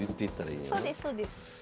そうですそうです。